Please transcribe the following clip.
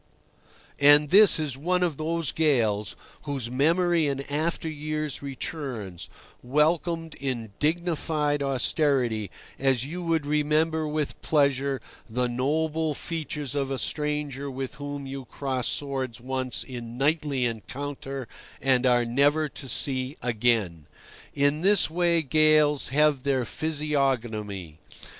And this is one of those gales whose memory in after years returns, welcome in dignified austerity, as you would remember with pleasure the noble features of a stranger with whom you crossed swords once in knightly encounter and are never to see again. In this way gales have their physiognomy.